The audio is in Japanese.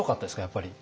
やっぱり。